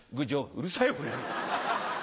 「うるさいよこの野郎。